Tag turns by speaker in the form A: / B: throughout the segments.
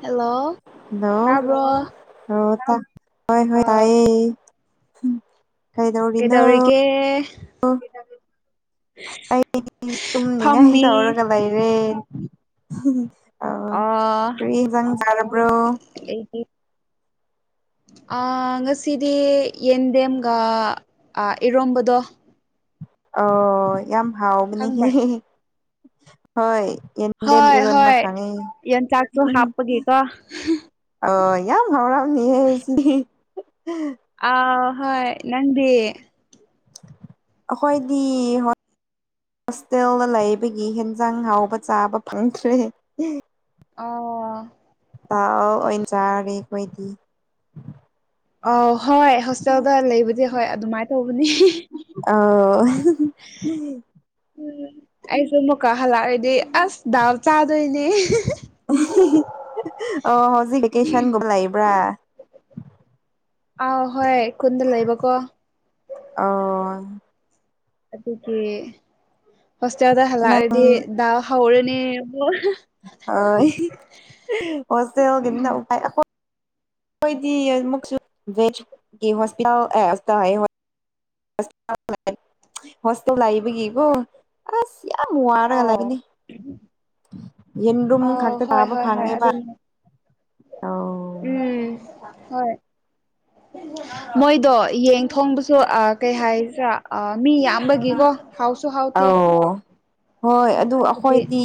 A: hello
B: hello
A: ꯇꯥꯕ꯭ꯔꯣ
B: hello ꯍꯣ ꯇꯥꯢ
A: ꯑ
B: ꯍꯣꯏ ꯍꫭꯏ ꯇꯥꯏꯌꯦ ꯀꯩꯗꯧꯅꯣ
A: ꯀꯩꯗꯧꯔꯤꯒꯦ
B: ꯑꫭ ꯑꯩꯗꯤ ꯇꯨꯝꯅꯤꯡꯉꯥꯏ ꯇꯧꯔꯒ
A: ꯐꯝꯃꯤ
B: ꯂꯩꯔꯦ ꯑꯧ
A: ꯑ
B: ꯀꯔꯤ ꯍꯤꯟꯖꯥꯡ ꯆꯥꯔꯕ꯭ꯔꯣ
A: ꯑꯩꯗꯤ ꯑ ꯉꯁꯤꯗꯤ ꯌꯦꯟꯗꯦꯝꯒ ꯑ ꯏꯔꯣꯝꯕꯗꯣ
B: ꯑꯣ ꯌꯥꯝ ꯍꯥꯎꯕꯅꯦꯍꯦ
A: ꯈꯪꯕ꯭ꯔꯥ
B: ꯍꯣꯏ ꯌꯦꯟꯗꯦꯝ
A: ꯍꯣꯏ
B: ꯏꯔꯣꯟꯕ
A: ꯍꯣꯏ
B: ꯈꯪꯉꯦ
A: ꯌꯣꯡꯆꯥꯛꯁꯨ ꯍꯥꯞꯄꯒꯤꯀꯣ
B: ꯑꯣ ꯌꯥꯝ ꯍꯥꯎꯔꯝꯅꯤꯍꯦ ꯁꯤꯗꯤ
A: ꯑꯥ ꯍꯣꯏ ꯅꯪꯗꯤ
B: ꯑꯍꯣꯏꯗꯤ ꯍꯣꯏ ꯍꯣꯁꯇꯦꯜꯗ ꯂꯩꯕꯒꯤ ꯍꯦꯟꯖꯥꯡ ꯍꯥꯎꯕ ꯆꯥꯕ ꯐꯪꯗ꯭ꯔꯦ
A: ꯑꯣ
B: ꯆꯥꯔꯦ ꯈꯣꯏꯗꯤ
A: ꯑꯧ ꯍꯣꯏ ꯍꯣꯁꯇꯦꯜꯗ ꯂꯩꯕꯗꯤ ꯍꯣꯏ ꯑꯗꯨꯃꯥꯏ ꯇꯧꯕꯅꯤ
B: ꯑꯥꯎ
A: ꯑꯩꯁꯨ ꯃꯨꯛꯀꯥ ꯍꯜꯂꯛꯔꯗꯤ ꯑꯁ ꯗꯥꯜ ꯆꯥꯗꯣꯏꯅꯤ
B: ꯑꯣ ꯍꯧꯖꯤꯛ ꯚꯦꯀꯦꯁꯟꯒꯨꯝꯕ ꯂꯩꯕ꯭ꯔꯥ
A: ꯑꯧ ꯍꯣꯏ ꯈꯨꯟꯗ ꯂꯩꯕꯀꯣ
B: ꯑꯣ
A: ꯑꯗꯨꯒꯤ ꯍꯣꯁꯇꯦꯜꯗ
B: ꯅꯪ
A: ꯍꯜꯂꯛꯑꯗꯤ ꯗꯥꯜ ꯍꯧꯔꯅꯤ ꯑꯃꯨꯛ
B: ꯍꯣꯁꯇꯦꯜꯒꯤꯅꯤꯅ ꯎꯄꯥꯏ ꯑꯩꯈꯣꯏ ꯈꯣꯏꯗꯤ ꯃꯨꯛꯁꯨ [unintelligible] ꯍꯣꯁꯇꯦꯜ ꯂꯥꯏꯕꯒꯤꯀꯣ ꯑꯁ ꯌꯥꯝ ꯋꯥꯔꯒ
A: ꯑꯥꯎ
B: ꯂꯩꯒꯅꯤ ꯌꯦꯟꯔꯨꯝ
A: ꯑꯥꯎ
B: ꯈꯛꯇ
A: ꯍꯣꯏ
B: ꯇꯥꯕ
A: ꯍꯣꯏ ꯍꯣꯏ
B: ꯐꯪꯉꯦꯕ
A: ꯑꯗꯨꯅꯤ
B: ꯑꯧ
A: ꯎꯝ ꯍꯣꯏ ꯃꯣꯏꯗꯣ ꯌꯦꯡ ꯊꯣꯡꯕꯁꯨ ꯑ ꯀꯩ ꯍꯥꯏꯁꯤꯔꯥ ꯑꯥ ꯃꯤ ꯌꯥꯝꯕꯒꯤꯀꯣ ꯍꯥꯎꯁ
B: ꯑꯧ ꯍꯣꯏ ꯑꯗꯨ
A: ꯍꯣꯁꯇꯦꯜꯗꯗꯤ
B: ꯑꯈꯣꯏꯗꯤ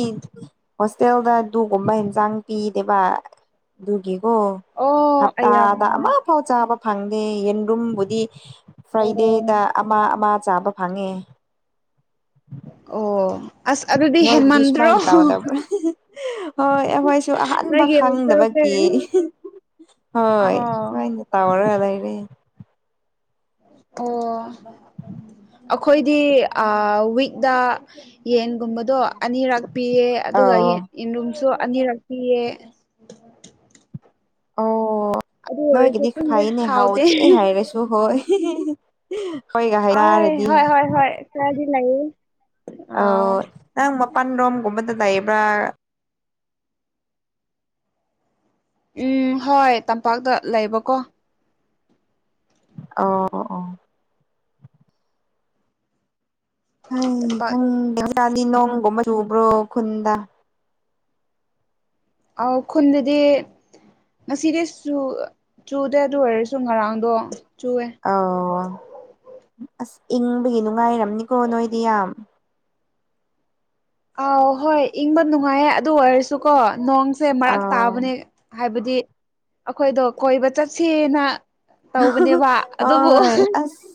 B: ꯍꯣꯁꯇꯦꯜꯗ ꯗꯨꯒꯨꯝꯕ ꯌꯦꯟꯖꯥꯡ ꯄꯤꯗꯦꯕ ꯑꯗꯨꯒꯤꯀꯣ
A: ꯑꯣ ꯑꯌꯥ
B: ꯍꯞꯇꯥꯗ ꯑꯃꯐꯥꯎ ꯆꯥꯕ ꯐꯪꯗꯦ ꯌꯦꯟꯔꯨꯝꯕꯨꯗꯤ
A: ꯑꯣ
B: ꯐ꯭ꯔꯥꯏꯗꯦꯗ ꯑꯃ ꯑꯃ ꯆꯥꯕ ꯐꯪꯉꯦ
A: ꯑꯣ ꯑꯁ ꯑꯗꯨꯗꯤ
B: ꯅꯣꯏꯗꯗꯤ
A: ꯍꯦꯃꯟꯗ꯭ꯔꯣ
B: ꯁꯨꯃꯥꯏꯅ ꯇꯧꯗꯕ꯭ꯔꯥ ꯍꯣꯏ ꯑꯩꯈꯣꯏꯁꯨ ꯑꯍꯥꯟꯕ
A: ꯅꯣꯏꯒꯤ
B: ꯈꯪꯗꯕꯒꯤ
A: ꯍꯣꯁꯇꯦꯜꯁꯦ
B: ꯍꯣꯏ
A: ꯑꯥ
B: ꯁꯨꯃꯥꯏꯅ ꯇꯧꯔꯒ ꯂꯩꯔꯦ
A: ꯑꯣ ꯑꯩꯈꯣꯏꯗꯤ ꯋꯤꯛꯗ ꯌꯦꯟꯒꯨꯝꯕꯗꯣ ꯑꯅꯤꯔꯛ ꯄꯤꯌꯦ ꯑꯗꯨꯒ ꯌꯦꯟ
B: ꯑꯧ
A: ꯌꯦꯟꯔꯨꯝꯁꯨ ꯑꯅꯤꯔꯛ ꯄꯤꯌꯦ
B: ꯑꯣ
A: ꯑꯗꯨ ꯑꯣꯏꯔꯁꯨ
B: ꯅꯣꯏꯒꯤꯗꯤ
A: ꯈꯪꯗꯦ
B: ꯐꯥꯏꯅꯦ ꯍꯥꯎꯇꯦ ꯍꯥꯏꯔꯁꯨ ꯍꯣꯏ ꯈꯣꯏ
A: ꯑꯥꯏ
B: ꯍꯥꯏꯔꯥꯑꯗꯤ
A: ꯍꯣꯏ ꯍꯣꯏ ꯍꯣꯏ ꯈꯔꯗꯤ ꯂꯩꯌꯦ ꯑꯥ
B: ꯑꯣꯏ ꯅꯪ ꯃꯄꯥꯟ ꯔꯣꯝꯒꯨꯝꯕꯗ ꯂꯥꯏꯕ꯭ꯔꯥ
A: ꯎꯝ ꯍꯣꯏ ꯇꯝꯄꯥꯛꯇ ꯂꯩꯕꯀꯣ
B: ꯑꯣ ꯑꯣ
A: ꯇꯝꯄꯥꯛ
B: [unintelligible]
A: ꯑꯧ ꯈꯨꯟꯗꯗꯤ ꯉꯁꯤꯗꯤ ꯆꯨ ꯆꯨꯗꯦ ꯑꯗꯨ ꯑꯣꯏꯔꯁꯨ ꯉꯔꯥꯡꯗꯣ ꯆꯨꯋꯦ
B: ꯑꯧ ꯑꯁ ꯏꯪꯕꯒꯤ ꯅꯨꯡꯉꯥꯏꯔꯝꯅꯤꯀꯣ ꯅꯣꯏꯗꯤ ꯌꯥꯝ
A: ꯑꯥꯎ ꯍꯣꯏ ꯏꯪꯕ ꯅꯨꯡꯉꯥꯏꯌꯦ ꯑꯗꯨ ꯑꯣꯏꯔꯁꯨꯀꯣ ꯅꯣꯡꯁꯦ ꯃꯔꯛ
B: ꯑꯧ
A: ꯇꯥꯕꯅꯦ ꯍꯥꯏꯕꯗꯤ ꯑꯩꯈꯣꯏꯗꯣ ꯀꯣꯏꯕ ꯆꯠꯁꯦꯅ ꯇꯧꯕꯅꯦꯕ ꯑꯗꯨꯕꯨ
B: ꯍꯣꯏ ꯑꯁ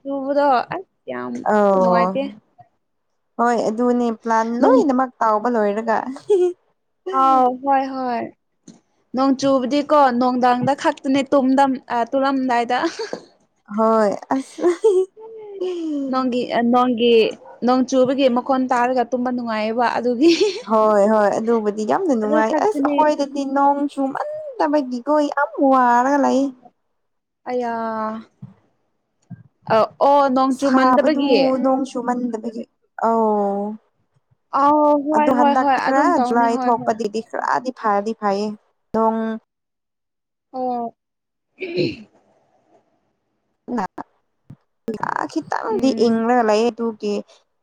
A: ꯆꯨꯕꯗꯣ ꯑꯁ ꯌꯥꯝ
B: ꯑꯧ
A: ꯅꯨꯡꯉꯥꯏꯇꯦ
B: ꯍꯣꯏ ꯑꯗꯨꯅꯦ ꯄ꯭ꯂꯥꯟ
A: ꯅꯣꯡ
B: ꯂꯣꯏꯅꯃꯛ ꯇꯥꯎꯕ ꯂꯣꯏꯔꯒ
A: ꯑꯥꯎ ꯍꯣꯏ ꯍꯣꯏ ꯅꯣꯡ ꯆꯨꯕꯗꯤꯀꯣ ꯅꯨꯡꯗꯥꯡꯗ ꯈꯛꯇꯅꯤ ꯇꯨꯝꯗꯝ ꯑ ꯇꯨꯔꯝꯗꯥꯏꯗ
B: ꯍꯣꯏ ꯑꯁ [unintelligible]
A: ꯅꯣꯡꯒꯤ ꯅꯣꯡꯒꯤ ꯅꯣꯡ ꯆꯨꯕꯒꯤ ꯃꯈꯣꯟ ꯇꯥꯔꯒ ꯇꯨꯝꯕ ꯅꯨꯡꯉꯥꯏꯌꯦꯕ ꯑꯗꯨꯒꯤ
B: ꯍꯣꯏ ꯍꯣꯏ ꯑꯗꯨꯕꯨꯗꯤ ꯌꯥꯝꯅ
A: ꯑꯗꯨ
B: ꯅꯨꯡꯉꯥꯏ ꯑꯁ
A: ꯈꯛꯇꯅꯦ
B: ꯑꯩꯈꯣꯏꯗꯗꯤ ꯍꯥꯏꯗꯤ ꯅꯣꯡ ꯆꯨꯃꯟꯗꯕꯒꯤ ꯈꯣꯏ ꯌꯥꯝ ꯋꯥꯔꯒ ꯂꯩ
A: ꯑꯌꯥ ꯑ ꯑꯣ ꯅꯣꯡ ꯆꯨ ꯃꯟꯗꯕꯒꯤ
B: ꯇꯨꯃꯟꯗꯕꯒꯤ ꯑꯣ
A: ꯑꯥꯎ ꯍꯣꯏ
B: ꯑꯗꯨ
A: ꯍꯣꯏ
B: ꯍꯟꯗꯛ
A: ꯍꯣꯏ
B: ꯈꯔ
A: ꯑꯗꯨꯝ ꯇꯧꯅꯤ
B: ꯖꯨꯂꯥꯏ
A: ꯍꯣꯏ ꯍꯣꯏ
B: ꯊꯣꯛꯄꯗꯗꯤ ꯈꯔꯗꯤ ꯐꯔꯗꯤ ꯍꯥꯏꯌꯦ ꯗꯣꯡ
A: ꯑꯣ ꯎꯝ
B: ꯅꯥ ꯈꯤꯇꯪꯗꯤ
A: ꯎꯝ
B: ꯏꯪꯂꯒ ꯂꯩꯌꯦ ꯇꯨ ꯀꯦ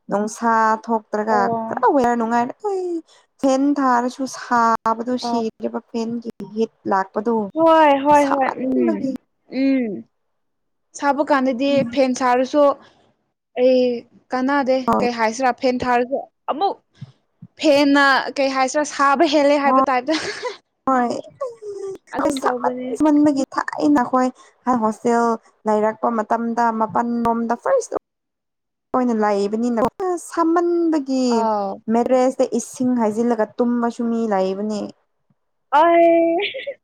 B: ꯅꯨꯡꯁꯥ ꯊꯣꯛꯇ꯭ꯔꯒ
A: ꯑꯣ
B: ꯄꯨꯔ ꯋꯥꯌꯔ ꯅꯨꯡꯉꯥꯏꯔꯦ ꯑꯩ ꯐꯦꯟ ꯊꯥꯔꯁꯨ ꯁꯥ ꯊꯥꯕꯗꯨ
A: ꯑꯣ
B: ꯁꯤꯈ꯭ꯔꯤꯕ ꯐꯦꯟꯒꯤ ꯍꯤꯠ ꯂꯥꯛꯄꯗꯨ
A: ꯍꯣꯏ ꯍꯣꯏ ꯍꯣꯏ ꯎꯝ
B: ꯁꯥꯃꯟꯕꯒꯤ
A: ꯎꯝ ꯁꯥꯕ ꯀꯥꯟꯗꯗꯤ ꯐꯦꯟ ꯁꯥꯔꯁꯨ ꯑꯩ ꯀꯥꯟꯅꯗꯦ ꯀꯩ ꯍꯥꯏꯁꯤꯔꯥ ꯐꯦꯟ ꯊꯥꯔꯁꯨ ꯑꯃꯨꯛ ꯐꯦꯟꯅ ꯀꯩ ꯍꯥꯏꯁꯤꯔꯥ ꯁꯥꯕ ꯍꯦꯜꯂꯦ ꯍꯥꯏꯕ ꯇꯥꯏꯞꯇ
B: ꯍꯣꯏ ꯑꯩ
A: ꯑꯗꯨꯝ ꯇꯧꯕꯅꯦ
B: ꯁꯥꯝꯟ ꯃꯟꯕꯒꯤ ꯊꯥꯏꯅꯈꯣꯏ ꯍꯣꯁꯇꯦꯜ ꯂꯩꯔꯛꯄ ꯃꯇꯝꯗ ꯃꯄꯥꯜ ꯂꯣꯝꯗ ꯐꯔꯁ ꯑꯣꯏꯅ ꯂꯥꯏꯕꯅꯤꯅ ꯁꯥꯃꯟꯕꯒꯤ
A: ꯑꯥꯎ
B: ꯃꯦꯔꯦꯖ ꯍꯦꯛꯇ ꯏꯁꯤꯡ ꯍꯥꯏꯖꯤꯜꯂꯒ ꯇꯨꯝꯕꯁꯨ ꯃꯤ ꯂꯩꯕꯅꯦ
A: ꯑꯣꯏ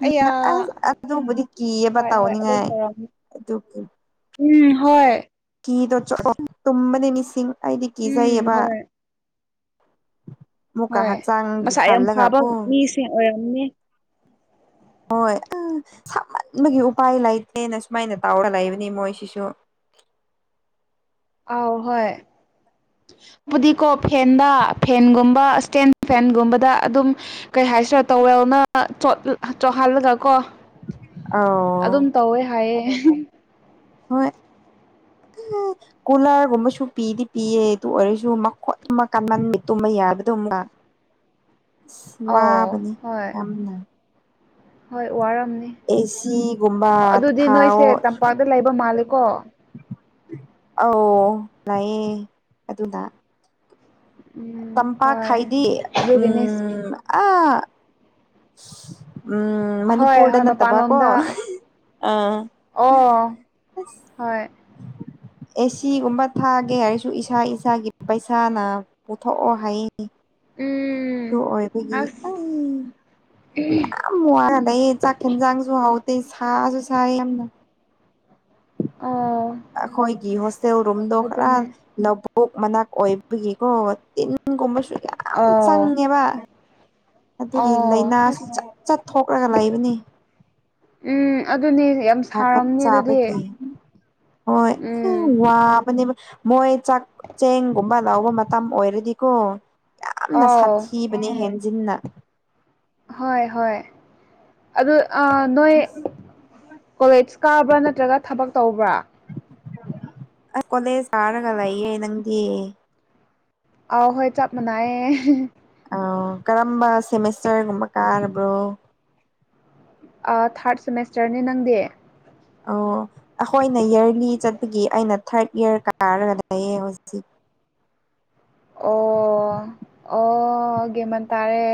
B: ꯎꯝ ꯑꯁ ꯑꯗꯨꯕꯨꯗꯤ ꯀꯤꯌꯦꯕ
A: ꯍꯣꯏ ꯍꯣꯏ ꯑꯗꯨꯝ
B: ꯇꯧꯅꯤꯡꯉꯥꯏ
A: ꯇꯧꯔꯝꯅꯤ
B: ꯑꯗꯨꯒꯤ
A: ꯎꯝ ꯍꯣꯏ
B: ꯀꯤꯗꯣ ꯆꯣꯠꯑꯣ ꯇꯨꯝꯕꯅꯦ ꯃꯤꯁꯤꯡ ꯑꯩꯗꯤ
A: ꯎꯝ
B: ꯀꯤꯖꯩꯌꯦꯕ
A: ꯍꯣꯏ
B: ꯑꯃꯨꯛꯀ
A: ꯍꯣꯏ
B: ꯍꯛꯆꯥꯡꯒꯤ
A: ꯃꯁꯥ ꯌꯥꯝ
B: ꯈꯜꯂꯒ
A: ꯐꯥꯕ
B: ꯀꯣ
A: ꯃꯤꯁꯤꯡ ꯑꯣꯏꯔꯝꯅꯦ
B: ꯍꯣꯏ ꯑ ꯁꯥꯃꯟꯕꯒꯤ ꯎꯄꯥꯏ ꯂꯩꯇꯦꯅ ꯁꯨꯃꯥꯏꯅ ꯇꯧꯔꯒ ꯂꯩꯕꯅꯤ ꯃꯣꯏꯁꯤꯁꯨ
A: ꯑꯥꯎ ꯍꯣꯏ ꯕꯨꯗꯤꯀꯣ ꯐꯦꯟꯗ ꯐꯦꯟꯒꯨꯝꯕ ꯏꯁꯇꯦꯟ ꯐꯦꯟꯒꯨꯝꯕꯗ ꯑꯗꯨꯝ ꯀꯩ ꯍꯥꯏꯁꯤꯔ ꯇꯧꯋꯦꯜꯅ ꯆꯣꯠ ꯆꯣꯠꯍꯜꯂꯒ ꯀꯣ
B: ꯑꯧ
A: ꯑꯗꯨꯝ ꯇꯧꯋꯦ ꯍꯥꯏꯌꯦ
B: ꯍꯣꯏ [unintelligible] ꯀꯨꯂꯔꯒꯨꯝꯕꯁꯨ ꯄꯤꯗꯤ ꯄꯤꯌꯦ ꯑꯗꯨ ꯑꯣꯏꯔꯁꯨ ꯃꯈꯣꯟ ꯑꯃ ꯀꯟꯃꯟꯕꯩ ꯇꯨꯝꯕ ꯌꯥꯗꯕꯗꯣ ꯑꯃꯨꯛꯀꯥ
A: ꯑꯧ ꯍꯣꯏ
B: ꯌꯥꯝꯅ
A: ꯍꯣꯏ ꯋꯥꯔꯝꯅꯤ
B: ꯑꯦꯁꯤꯒꯨꯝꯕ
A: ꯑꯗꯨꯗꯤ
B: ꯊꯥꯎ
A: ꯅꯣꯏꯁꯦ ꯇꯝꯄꯥꯛꯇ ꯂꯩꯕ ꯃꯥꯜꯂꯦꯀꯣ
B: ꯑꯧ ꯂꯩꯌꯦ ꯑꯗꯨꯅ
A: ꯎꯝ
B: ꯇꯝꯄꯥꯛ
A: ꯍꯣꯏ
B: ꯈꯥꯏꯗꯤ
A: ꯑꯗꯨꯒꯤꯅꯦ
B: ꯎꯝ ꯑꯥ ꯎꯝ
A: ꯍꯣꯏ
B: ꯃꯅꯤꯄꯨꯔꯗ
A: ꯍꯣꯏ
B: ꯅꯠꯇꯕꯀꯣ
A: ꯃꯄꯥꯟꯂꯣꯝꯗ
B: ꯑꯥ
A: ꯑꯣ ꯍꯣꯏ [unintelligible]
B: ꯑꯦꯁꯤꯒꯨꯝꯕ ꯊꯥꯒꯦ ꯍꯥꯏꯔꯁꯨ ꯏꯁꯥ ꯏꯁꯥꯒꯤ ꯄꯩꯁꯥꯅ ꯑꯣꯊꯣꯛꯑꯣ ꯍꯥꯏꯌꯦ
A: ꯎꯝ
B: ꯇꯨꯑꯣꯏꯕꯒꯤ [unintelligible]
A: ꯑꯍꯨꯝ
B: ꯌꯥꯝ ꯋꯥꯔ ꯂꯩꯌꯦ ꯆꯥꯛ ꯍꯦꯟꯖꯥꯡꯁꯨ ꯍꯥꯎꯇꯦ ꯁꯥꯁꯨ ꯁꯥꯏ ꯌꯥꯝꯅ
A: ꯑꯥ
B: ꯑꯩꯈꯣꯏꯒꯤ ꯍꯣꯁꯇꯦꯜ ꯔꯨꯝꯗꯣ ꯈꯔ ꯂꯧꯕꯨꯛ ꯃꯅꯥꯛ ꯑꯣꯏꯕꯒꯤꯀꯣ ꯇꯤꯟ ꯏꯟꯒꯨꯝꯕꯁꯨ ꯌꯥꯝ
A: ꯑꯣ
B: ꯆꯪꯉꯦꯕ ꯑꯗꯨꯒꯤ
A: ꯑꯣ
B: ꯂꯩꯅꯥꯁꯨ
A: ꯑꯁ
B: ꯆ ꯆꯠꯊꯣꯛꯔꯒ ꯂꯩꯕꯅꯦ
A: ꯎꯝ ꯑꯗꯨꯅꯤ ꯍꯌꯦꯞ
B: ꯍꯥꯔꯀꯞ ꯆꯥꯕꯒꯤ ꯍꯣꯏ
A: ꯎꯝ
B: ꯋꯥꯕꯅꯦꯕ ꯃꯣꯏ ꯆꯥꯛ ꯆꯦꯡꯒꯨꯝꯕ ꯂꯧꯕ ꯃꯇꯝ ꯑꯣꯏꯔꯗꯤꯀꯣ ꯌꯥꯝꯅ
A: ꯑꯥꯎ
B: ꯁꯥꯊꯤ ꯕꯅꯦ ꯍꯦꯟꯖꯤꯟꯅ
A: ꯍꯣꯏ ꯍꯣꯏ ꯑꯗꯨ ꯑꯥ ꯅꯣꯏ ꯀꯣꯂꯦꯖ ꯀꯥꯕ꯭ꯔꯥ ꯅꯠꯇ꯭ꯔꯒ ꯊꯕꯛ ꯇꯧꯕ꯭ꯔꯥ
B: ꯑꯩ ꯀꯣꯂꯦꯖ ꯀꯥꯔꯒ ꯂꯩꯌꯦ ꯅꯪꯗꯤ
A: ꯑꯥꯎ ꯍꯣꯏ ꯆꯥꯞ ꯃꯥꯟꯅꯩꯌꯦ
B: ꯑꯧ ꯀꯔꯝꯕ ꯁꯦꯃꯤꯁꯇꯔꯒꯨꯝꯕ ꯀꯥꯔꯕ꯭ꯔꯣ
A: ꯑꯥ ꯊꯥꯔꯠ ꯁꯦꯃꯤꯁꯇꯔꯅꯦ ꯅꯪꯗꯤ
B: ꯑꯣ ꯑꯩꯈꯣꯏꯅ ꯏꯌꯔꯂꯤ ꯆꯠꯄꯒꯤ ꯑꯩꯅ ꯊꯥꯔꯠ ꯏꯌꯥꯔ ꯀꯥꯔꯒ ꯂꯩꯌꯦ ꯍꯧꯖꯤꯛ
A: ꯑꯣ ꯑꯣ ꯒꯦꯃꯟ ꯇꯥꯔꯦ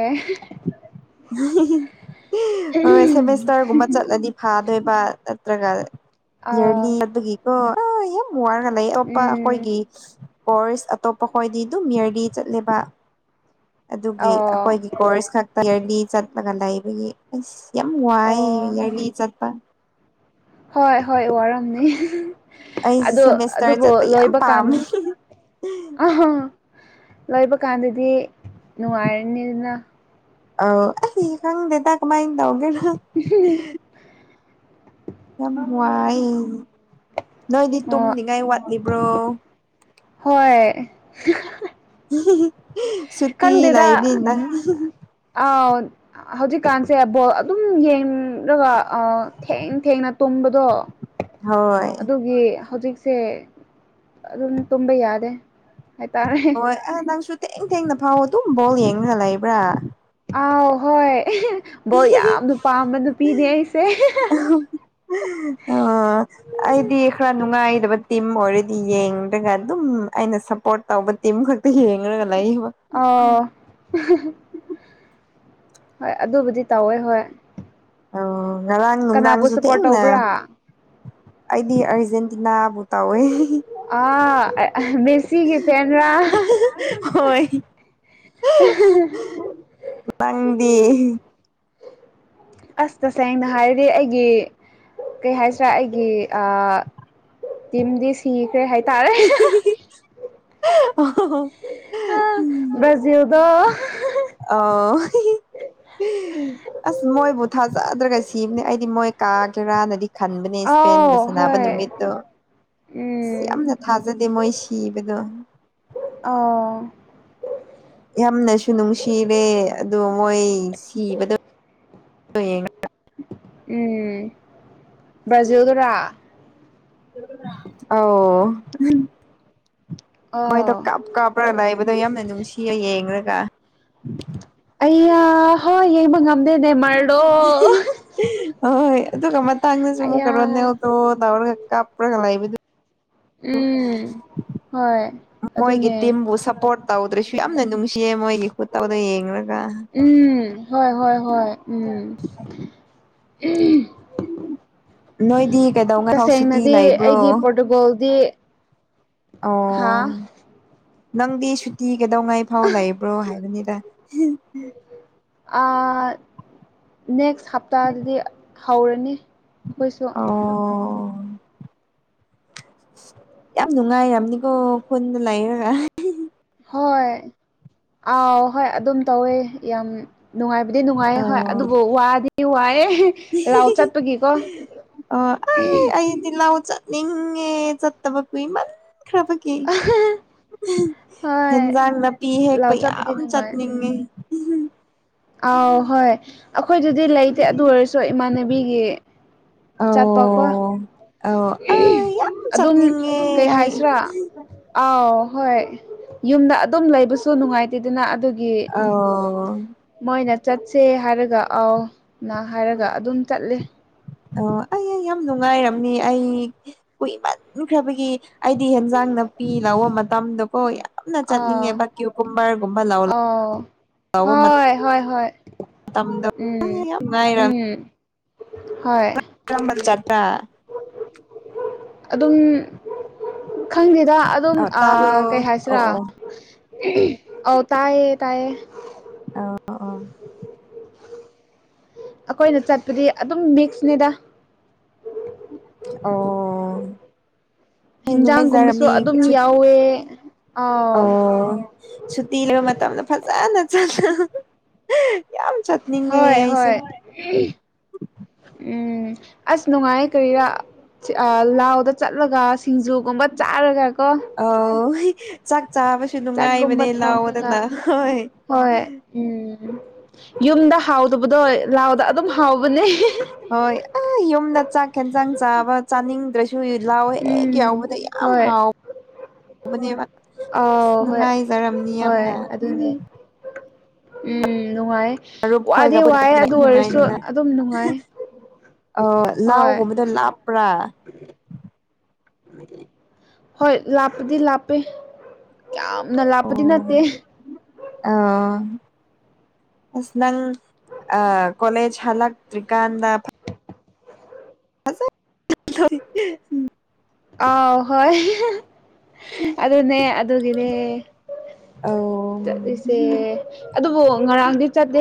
B: ꯍꯣꯏ ꯁꯦꯃꯤꯁꯇꯔꯒꯨꯝꯕ ꯆꯠꯂꯗꯤ ꯐꯥꯗꯣꯏꯕ ꯅꯠꯇ꯭ꯔꯒ ꯏꯌꯔꯂꯤ
A: ꯑꯥꯎ
B: ꯆꯥꯠꯄꯒꯤꯀꯣ ꯑꯥ ꯌꯥꯝ ꯋꯥꯔꯒ ꯂꯩ ꯑꯣꯞꯄꯥ
A: ꯎꯝ
B: ꯑꯩꯈꯣꯏꯒꯤ ꯀꯣꯔꯁ ꯑꯇꯣꯞꯄ ꯈꯣꯏꯗꯤ ꯑꯗꯨꯝ ꯏꯌꯔꯂꯤ ꯆꯠꯂꯦꯕ ꯑꯗꯨꯒꯤ
A: ꯑꯣ
B: ꯑꯩꯈꯣꯏꯒꯤ ꯀꯣꯔꯁ ꯈꯛꯇ ꯏꯌꯔꯂꯤ ꯆꯠꯂꯒ ꯂꯩꯕꯒꯤ ꯑꯁ ꯌꯥꯝ ꯋꯥꯏ
A: ꯑꯣ
B: ꯏꯌꯥꯔꯂꯤ ꯆꯠꯄ
A: ꯍꯣꯏ ꯍꯣꯏ ꯋꯥꯔꯝꯅꯤ
B: ꯑꯩꯁꯦ
A: ꯑꯗꯨ
B: ꯁꯦꯃꯤꯁꯇꯔ
A: ꯑꯗꯨꯕꯨ
B: ꯆꯠꯄ ꯌꯥꯝ
A: ꯂꯣꯏꯕ ꯀꯥꯟ
B: ꯄꯥꯝꯃꯦ
A: ꯑꯍꯥ ꯂꯣꯏꯕ ꯀꯥꯟꯗꯗꯤ ꯅꯨꯡꯉꯥꯏꯔꯅꯤꯅ
B: ꯑꯧ ꯑꯩ ꯈꯪꯗꯦꯗ ꯀꯃꯥꯏꯟ ꯇꯧꯗꯣꯏꯅꯣ ꯌꯥꯝ ꯋꯥꯏꯌꯦꯅꯦ ꯅꯣꯏꯗꯤ
A: ꯑꯣ
B: ꯇꯨꯝꯅꯤꯡꯉꯥꯏ ꯋꯥꯠꯂꯤꯕ꯭ꯔꯣ
A: ꯍꯣꯏ
B: ꯁꯨꯇꯤ
A: ꯈꯪꯗꯦꯗ
B: ꯂꯩꯕꯅꯤ ꯅꯪ
A: ꯑꯥꯎ ꯍꯧꯖꯤꯛꯀꯥꯟꯁꯦ ꯕꯣꯜ ꯑꯗꯨꯝ ꯌꯦꯡꯔꯒ ꯑꯥ ꯊꯦꯡ ꯊꯦꯡꯅ ꯇꯨꯝꯕꯗꯣ
B: ꯍꯣꯏ
A: ꯑꯗꯨꯒꯤ ꯍꯧꯖꯤꯛꯁꯦ ꯑꯗꯨꯝ ꯇꯨꯝꯕ ꯌꯥꯗꯦ ꯍꯥꯏꯇꯥꯔꯦ
B: ꯍꯣꯏ ꯑꯥ ꯅꯪꯁꯨ ꯊꯦꯡ ꯊꯦꯡꯅ ꯐꯥꯎ ꯑꯗꯨꯝ ꯕꯣꯜ ꯌꯦꯡꯔ ꯂꯩꯕ꯭ꯔꯥ
A: ꯑꯥꯎ ꯍꯣꯏ ꯕꯣꯜ ꯌꯥꯝꯅ ꯄꯥꯝꯕ ꯅꯨꯄꯤꯅꯦ ꯑꯩꯁꯦ
B: ꯑꯣ ꯑꯩꯗꯤ ꯈꯔ ꯅꯨꯡꯉꯥꯏꯗꯕ ꯇꯤꯝ ꯑꯣꯏꯔꯗꯤ ꯌꯦꯡꯗ꯭ꯔꯒ ꯑꯗꯨꯝ ꯑꯩꯅ ꯁꯞꯄꯣꯔꯠ ꯇꯧꯕ ꯇꯤꯝ ꯈꯛꯇ ꯌꯦꯡꯔꯒ ꯂꯩꯏꯕꯣ
A: ꯑ ꯍꯣꯏ ꯑꯗꯨꯕꯨꯗꯤ ꯇꯧꯋꯦ ꯍꯣꯏ
B: ꯑꯣ ꯉꯔꯥꯡ
A: ꯀꯅꯥꯕꯨ
B: ꯅꯨꯡꯗꯥꯡꯁꯨ
A: ꯁꯞꯄꯣꯔꯠ
B: ꯊꯦꯡꯅ
A: ꯇꯧꯕ꯭ꯔꯥ
B: ꯑꯩꯗꯤ ꯑꯔꯖꯦꯟꯇꯤꯅꯥꯕꯨ ꯇꯧꯋꯦ
A: ꯑꯥ ꯑꯦ ꯑꯦ ꯃꯦꯁ ꯁꯤꯒꯤ ꯐꯦꯟꯔꯥ
B: ꯍꯣꯏ ꯅꯪꯗꯤ
A: ꯑꯁ ꯇꯁꯦꯡꯅ ꯍꯥꯏꯔꯗꯤ ꯑꯩꯒꯤ ꯀꯩ ꯍꯥꯏꯁꯤꯔꯥ ꯑꯩꯒꯤ ꯑ ꯇꯤꯝꯗꯤ ꯁꯤꯈ꯭ꯔꯦ ꯍꯥꯏꯇꯥꯔꯦ
B: ꯑꯧ
A: ꯑ ꯕ꯭ꯔꯥꯖꯤꯜꯗꯣ
B: ꯑꯥꯎ
A: [unintelligible]
B: ꯑꯁ ꯃꯣꯏꯕꯨ ꯊꯥꯖꯗ꯭ꯔꯒ ꯁꯤꯕꯅꯦ ꯑꯩꯗꯤ ꯃꯣꯏ ꯀꯥꯒꯦꯔꯥꯅꯗꯤ ꯈꯟꯕꯅꯦ ꯄꯦꯟꯒ
A: ꯑꯥꯎ
B: ꯁꯅꯥꯅꯕ
A: ꯍꯣꯏ
B: ꯅꯨꯃꯤꯠꯇꯣ
A: [inaudible]
B: ꯌꯥꯝꯅ ꯊꯥꯖꯗꯦ ꯃꯣꯏ ꯁꯤꯕꯗꯣ
A: ꯑꯣ
B: ꯌꯥꯝꯅꯁꯨ ꯅꯨꯡꯁꯤꯔꯦ ꯑꯗꯣ ꯃꯣꯏ ꯁꯤꯕꯗꯣ ꯌꯦꯡ
A: ꯎꯝ ꯕ꯭ꯔꯖꯤꯜꯒꯔ
B: ꯑꯧ
A: ꯑꯥꯎ
B: ꯃꯣꯏꯗꯣ ꯀꯞ ꯀꯥꯞꯄ꯭ꯔꯥ ꯂꯩꯕꯗꯣ ꯌꯥꯝꯅ ꯅꯨꯡꯁꯤꯌꯦ ꯌꯦꯡꯔꯒ
A: ꯑꯩꯌꯥ ꯍꯣꯏ ꯌꯦꯡꯕ ꯉꯝꯗꯦꯅꯦ ꯃꯥꯏ ꯂꯣꯔꯗ
B: ꯍꯣꯏ ꯑꯗꯨꯒ ꯃꯇꯥꯡꯗꯁꯨ ꯑꯃꯨꯛꯀ
A: ꯑꯌꯥ
B: ꯔꯣꯅꯦꯜꯗꯣ ꯇꯥꯎꯔꯒ ꯀꯥꯞꯄ꯭ꯔꯒ ꯂꯩꯕꯗꯨ
A: ꯎꯝ ꯍꯣꯏ
B: ꯃꯣꯏꯒꯤ
A: ꯑꯗꯨꯅꯦ
B: ꯇꯤꯝꯕꯨ ꯁꯄꯣꯠ ꯇꯧꯗ꯭ꯔꯁꯨ ꯌꯥꯝꯅ ꯅꯨꯡꯁꯤꯌꯦ ꯃꯣꯏꯒꯤ ꯈꯨꯠꯇꯧꯗꯣ ꯌꯦꯡꯂꯒ
A: ꯎꯝ ꯍꯣꯏ ꯍꯣꯏ ꯍꯣꯏ ꯎꯝ
B: ꯅꯣꯏꯗꯤ ꯀꯩꯗꯧꯉꯥꯏꯐꯥꯎ ꯁꯨꯇꯤ ꯂꯩꯕ꯭ꯔꯣ
A: ꯄꯔꯣꯇꯨꯒꯣꯜꯗꯤ
B: ꯑꯣ ꯅꯪꯗꯤ ꯁꯨꯇꯤ ꯀꯗꯧꯉꯥꯏ ꯐꯥꯎ ꯂꯩꯕ꯭ꯔꯣ ꯍꯥꯏꯕꯅꯤꯗ [unintelligible]
A: ꯑꯥ ꯅꯦꯛꯁ ꯍꯞꯇꯥꯗꯗꯤ ꯍꯧꯔꯅꯤ ꯑꯩꯈꯣꯏꯁꯨ
B: ꯑꯣ ꯌꯥꯝ ꯅꯨꯡꯉꯥꯏꯔꯝꯅꯤꯀꯣ ꯈꯨꯟꯗ ꯂꯩꯔꯒ
A: ꯍꯣꯏ ꯑꯥꯎ ꯍꯣꯏ ꯑꯗꯨꯝ ꯇꯧꯋꯦ ꯌꯥꯝ ꯅꯨꯡꯉꯥꯏꯕꯗꯤ ꯅꯨꯡꯉꯥꯏꯌꯦ ꯍꯣꯏ ꯑꯗꯨꯕꯨ ꯋꯥꯗꯤ ꯋꯥꯏꯌꯦ
B: ꯑꯧ ꯑꯥꯏ ꯑꯩꯗꯤ ꯂꯥꯎ ꯆꯠ ꯅꯤꯡꯉꯦ ꯆꯠꯇꯕ ꯀꯨꯏꯃꯟ ꯈ꯭ꯔꯕꯒꯤ
A: ꯍꯣꯏ
B: ꯏꯟꯖꯥꯡ ꯅꯥꯄꯤ ꯍꯦꯛꯄ
A: ꯂꯥꯎ ꯆꯠꯄꯗꯤ
B: ꯌꯥꯝ
A: ꯅꯨꯡꯉꯥꯏ ꯎꯝ
B: ꯆꯠꯅꯤꯡꯉꯦ
A: ꯑꯥꯎ ꯍꯣꯏ ꯑꯈꯣꯏꯗꯨꯗꯤ ꯂꯩꯇꯦ ꯑꯗꯨ ꯑꯣꯏꯔꯁꯨ ꯏꯃꯥꯟꯅꯕꯤꯒꯤ ꯆꯠꯄꯀꯣ
B: ꯑꯧ ꯑꯧ ꯑꯩ ꯌꯥꯝ
A: ꯑꯗꯨꯝ
B: ꯆꯠꯅꯤꯡꯉꯦ
A: ꯀꯩ
B: ꯑꯩ
A: ꯍꯥꯏꯁꯤꯔꯥ ꯑꯥꯎ ꯍꯣꯏ ꯌꯨꯝꯗ ꯑꯗꯨꯝ ꯂꯩꯕꯁꯨ ꯅꯨꯡꯉꯥꯏꯇꯦꯗꯅ ꯑꯗꯨꯒꯤ
B: ꯑꯧ
A: ꯃꯣꯏꯅ ꯆꯠꯁꯦ ꯍꯥꯏꯔꯒ ꯑꯥꯎꯅ ꯍꯥꯏꯔꯒ ꯑꯗꯨꯝ ꯆꯠꯂꯦ
B: ꯑꯣ ꯑꯩꯌꯥ ꯌꯥꯝ ꯅꯨꯡꯉꯥꯏꯔꯝꯅꯤ ꯑꯩ ꯀꯨꯏꯃꯟꯈ꯭ꯔꯕꯒꯤ ꯑꯩꯗꯤ ꯍꯦꯟꯖꯥꯡ ꯅꯥꯄꯤ ꯂꯧꯕ ꯃꯇꯝꯗꯀꯣ ꯌꯥꯝꯅ
A: ꯑ
B: ꯆꯠꯅꯤꯡꯉꯦꯕ ꯀ꯭ꯌꯨꯀꯨꯝꯕꯔꯒꯨꯝꯕ ꯂꯧ
A: ꯑꯣ
B: ꯂꯧꯕ
A: ꯍꯣꯏ ꯍꯣꯏ ꯍꯣꯏ
B: ꯃꯇꯝꯗꯣ
A: ꯎꯝ
B: ꯌꯥꯝ ꯅꯨꯡꯉꯥꯏꯔꯝ
A: ꯎꯝ ꯍꯣꯏ
B: ꯀꯔꯝꯕ ꯆꯠꯄꯔ꯭
A: ꯑꯗꯨꯝ ꯈꯪꯗꯦꯗ ꯑꯗꯨꯝ
B: ꯑꯣ
A: ꯑ ꯀꯩ
B: ꯇꯥꯕ꯭ꯔꯣ ꯑꯣ ꯑꯣ
A: ꯍꯥꯏꯁꯤꯔꯥ
B: ꯑꯣ
A: ꯑꯧ ꯇꯥꯏꯌꯦ ꯇꯥꯏꯌꯦ
B: ꯑꯧ ꯑꯣ
A: ꯑꯈꯣꯏꯅ ꯆꯠꯄꯗꯤ ꯑꯗꯨꯝ ꯃꯤꯛꯁꯅꯤꯗ
B: ꯑꯣ
A: ꯍꯤꯟꯖꯥꯡꯒꯨꯝꯕꯁꯨ
B: ꯅꯨꯡꯉꯥꯏꯖꯔꯝꯅꯤ
A: ꯑꯗꯨꯝ ꯌꯥꯎꯋꯦ ꯑꯥꯎ
B: ꯑꯣ ꯁꯨꯇꯤ ꯂꯩꯕ ꯃꯇꯝꯗ ꯐꯖꯅ ꯆꯠꯂꯨ ꯌꯥꯝ ꯆꯠ
A: ꯍꯣꯏ ꯍꯣꯏ ꯎꯝ ꯑꯁ ꯅꯨꯡꯉꯥꯏ ꯀꯔꯤꯔꯥ ꯑꯥ ꯂꯥꯎꯗ ꯆꯠꯂꯒ ꯁꯤꯡꯖꯨꯒꯨꯝꯕ ꯆꯥꯔꯒꯀꯣ
B: ꯑꯧ ꯆꯥꯛ ꯆꯥꯕꯁꯨ
A: ꯆꯥꯛꯒꯨꯝꯕ
B: ꯅꯨꯡꯉꯥꯏꯕꯅꯦ
A: ꯊꯣꯡꯔꯒ
B: ꯂꯥꯎꯑꯣꯗꯅ ꯍꯣꯏ
A: ꯍꯣꯏ ꯎꯝ ꯌꯨꯝꯗ ꯍꯥꯎꯗꯕꯗꯣ ꯂꯥꯎꯗ ꯑꯗꯨꯝ ꯍꯥꯎꯕꯅꯦ
B: ꯍꯣꯏ ꯑꯥ ꯌꯨꯝꯗ ꯆꯥꯛ ꯍꯦꯟꯖꯥꯡ ꯆꯥꯕ ꯆꯥꯅꯤꯡꯗ꯭ꯔ ꯁꯨ ꯂꯥꯎ ꯍꯦꯛ
A: ꯎꯝ
B: ꯌꯥꯎꯕꯗ ꯌꯥꯝ
A: ꯍꯣꯏ
B: ꯍꯥꯎꯕꯅꯦꯕ ꯑꯁ
A: ꯑꯥꯎ ꯍꯣꯏ
B: ꯅꯨꯡꯉꯥꯏꯖꯔꯝꯅꯤ
A: ꯍꯣꯏ
B: ꯌꯥꯝꯅ
A: ꯑꯗꯨꯅꯦ ꯎꯝ ꯅꯨꯡꯉꯥꯏ
B: ꯃꯔꯨꯞ
A: ꯋꯥꯗꯤ
B: ꯈꯣꯏꯒ
A: ꯋꯥꯌꯦ
B: ꯄꯨꯜꯂꯛꯄꯅꯤꯅ
A: ꯑꯗꯨ
B: ꯌꯥꯝ
A: ꯑꯣꯏꯔꯁꯨ ꯑꯗꯨꯝ ꯅꯨꯡꯉꯥꯏ
B: ꯑꯧ
A: ꯍꯣꯏ
B: ꯂꯥꯎꯒꯨꯝꯕꯗꯣ ꯂꯥꯞꯄ꯭ꯔꯥ
A: [inaudible] ꯍꯣꯏ ꯂꯥꯞꯄꯨꯗꯤ ꯂꯥꯞꯄꯦ ꯌꯥꯝꯅ ꯂꯥꯞꯄꯗꯤ ꯅꯠꯇꯦ
B: ꯑꯧ ꯑꯁ ꯅꯪ ꯑꯥꯥ ꯀꯣꯂꯦꯖ ꯍꯜꯂꯛꯇ꯭ꯔꯤꯀꯥꯟꯗ [unintelligible]
A: ꯑꯥꯎ ꯍꯣꯏ ꯑꯗꯨꯅꯦ ꯑꯗꯨꯒꯤꯅꯦ
B: ꯑꯧ
A: ꯆꯠꯂꯤꯁꯦ ꯑꯗꯨꯕꯨ ꯉꯥꯔꯥꯡꯗꯤ ꯆꯠꯇꯦ